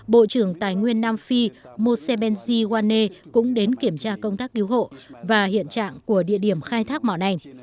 bộ trưởng tài nguyên nam phi mosebensi wane cũng đến kiểm tra công tác cứu hộ và hiện trạng của địa điểm khai thác mỏ này